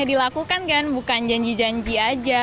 yang seharusnya dilakukan kan bukan janji janji aja